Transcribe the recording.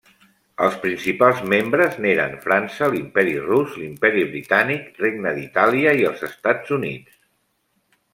Els principals membres n'eren França, l'Imperi rus, l'Imperi britànic, Regne d'Itàlia i els Estats Units.